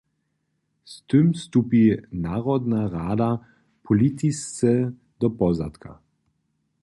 Z tym stupi narodna rada politisce do pozadka.